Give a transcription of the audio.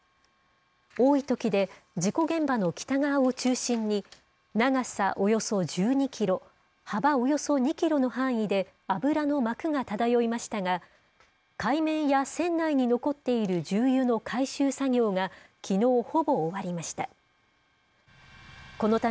多いときで、事故現場の北側を中心に、長さおよそ１２キロ、幅およそ２キロの範囲で油の膜が漂いましたが、海面や船内に残っている重油の回収作業が、きのう、ほぼ終わりました。